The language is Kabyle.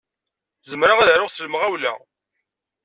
Zemreɣ ad aruɣ s lemɣawla.